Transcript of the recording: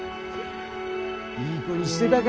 いい子にしてたか？